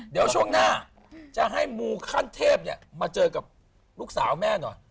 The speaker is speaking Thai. เดี๋ยวช่วงหน้าจะให้มูขั้นเทพมาเจอกับลูกสาวแม่หน่อย